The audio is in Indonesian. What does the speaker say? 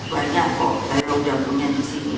banyak kok kalau jawabannya di sini